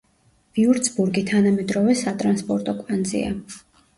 ვიურცბურგი თანამედროვე სატრანსპორტო კვანძია.